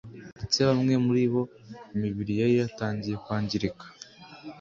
ndetse bamwe muri bo imibiri yari yatangiye kwangirika